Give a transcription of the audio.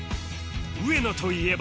上野といえば